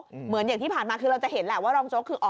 คุณผู้ชมฟังช่างปอลเล่าคุณผู้ชมฟังช่างปอลเล่าคุณผู้ชมฟังช่างปอลเล่า